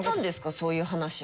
そういう話が。